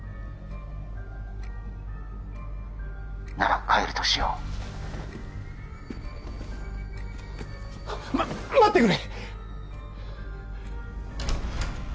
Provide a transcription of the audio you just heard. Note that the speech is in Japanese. なら帰るとしようま待ってくれ！